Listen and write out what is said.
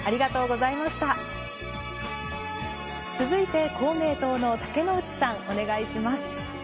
続いて公明党の竹野内さんお願いします。